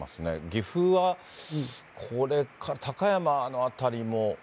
岐阜はこれ、高山の辺りも。